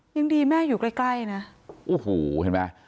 ยังดีแม่อยู่ใกล้ใกล้นะโอ้โหเห็นไหม